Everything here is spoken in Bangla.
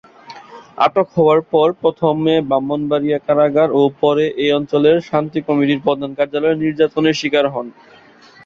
আটক হওয়ার পর প্রথমে ব্রাহ্মণবাড়িয়া কারাগারে ও পরে এ অঞ্চলের শান্তি কমিটির প্রধান কার্যালয়ে নির্যাতনের শিকার হন।